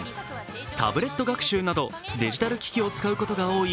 タブレット学習などデジタル機器を使うことが多い